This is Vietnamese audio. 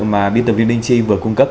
mà biên tập viên linh chi vừa cung cấp